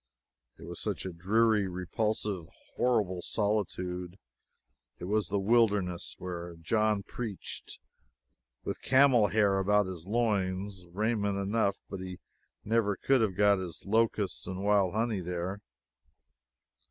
It was such a dreary, repulsive, horrible solitude! It was the "wilderness" where John preached, with camel's hair about his loins raiment enough but he never could have got his locusts and wild honey here.